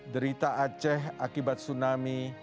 derita aceh akibat tsunami